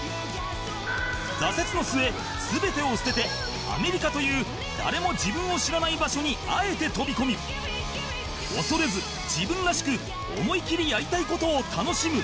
挫折の末全てを捨ててアメリカという誰も自分を知らない場所にあえて飛び込み恐れず自分らしく思いきりやりたい事を楽しむ